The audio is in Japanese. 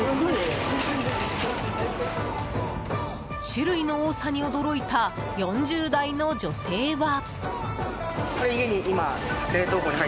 種類の多さに驚いた４０代の女性は。